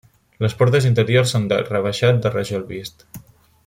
Les portes interiors són d'arc rebaixat de rajol vist.